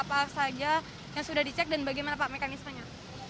apa saja yang sudah dicek dan bagaimana pak mekanismenya